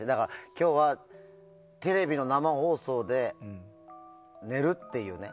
今日はテレビの生放送で寝るっていうね。